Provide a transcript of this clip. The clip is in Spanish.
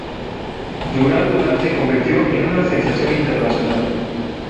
Duran Duran se convirtió en una sensación internacional.